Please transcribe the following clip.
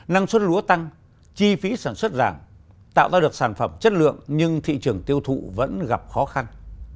năng suất lúa tăng chi phí sản xuất giảm tạo ra được sản phẩm chất lượng nhưng thị trường tiêu thụ vẫn gặp khó khăn